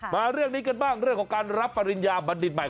มาเรื่องนี้กันบ้างเรื่องของการรับปริญญาบัณฑิตใหม่